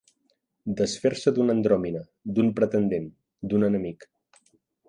Desfer-se d'una andròmina, d'un pretendent, d'un enemic.